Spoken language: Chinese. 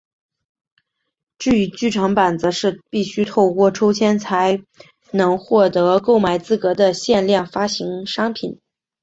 至于剧场版则是必须透过抽签才能获得购买资格的限量发行商品。